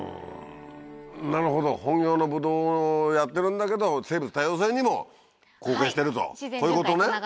なるほど本業のブドウをやってるんだけど生物多様性にも貢献してるとそういうことね。